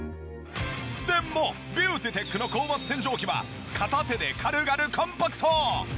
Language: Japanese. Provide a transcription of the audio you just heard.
でもビューティテックの高圧洗浄機は片手で軽々コンパクト！